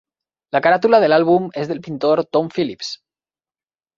La caràtula de l'àlbum és del pintor Tom Phillips.